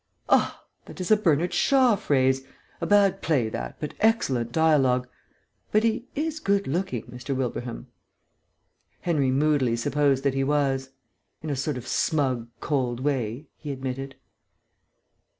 "Ah, that is a Bernard Shaw phrase. A bad play, that, but excellent dialogue.... But he is good looking, Mr. Wilbraham." Henry moodily supposed that he was. "In a sort of smug, cold way," he admitted.